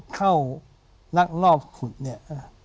เข้านักรอบขุดเนี่ย